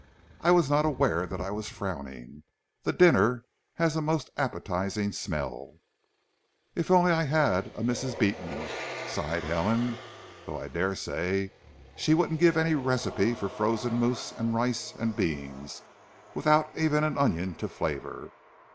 "I was not aware that I was frowning. The dinner has a most appetising smell." "If only I had a Mrs. Beeton!" sighed Helen. "Though I daresay she wouldn't give any recipe for frozen moose and rice and beans, without even an onion to flavour.